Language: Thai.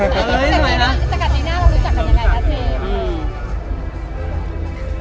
แต่กับจีน่าเรารู้จักกันอย่างไรครับเจมส์